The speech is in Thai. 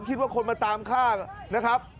คิดว่าคนมาตามฆ่านะครับ